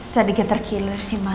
sedikit terkilir sih ma